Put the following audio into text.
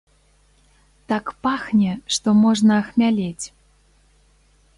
Так пахне, што можна ахмялець.